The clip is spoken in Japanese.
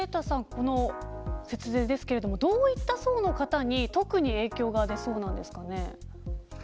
この節税ですけれどもどういった層の方に特に影響が出そうなんですか。